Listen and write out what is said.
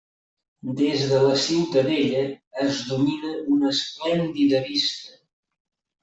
Des de la ciutadella es domina una esplèndida vista.